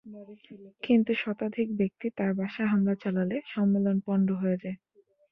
কিন্তু শতাধিক ব্যক্তি তাঁর বাসায় হামলা চালালে সম্মেলন পণ্ড হয়ে যায়।